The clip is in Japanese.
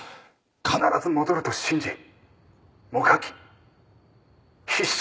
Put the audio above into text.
「必ず戻ると信じもがき必死に耐えてる」